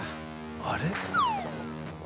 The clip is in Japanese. あれ？